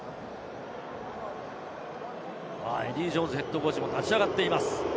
エディー・ジョーンズＨＣも立ち上がっています。